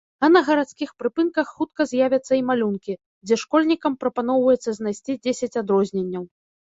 А на гарадскіх прыпынках хутка з'явяцца і малюнкі, дзе школьнікам прапаноўваецца знайсці дзесяць адрозненняў.